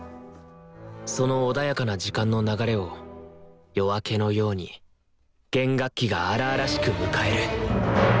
その穏やかな時間の流れを夜明けのように弦楽器が荒々しく迎える！